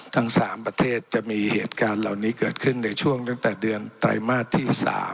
ทั้ง๓ประเทศจะมีเหตุการณ์เหล่านี้เกิดขึ้นในช่วงตั้งแต่เดือนไตรมาสที่๓